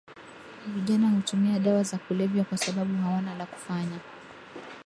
vijana hutumia dawa za kulevya kwa sababu hawana la kufanya